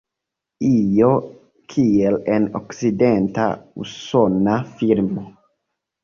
Io kiel en okcidenta usona filmo.